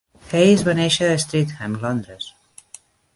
Hayes va néixer a Streatham, Londres.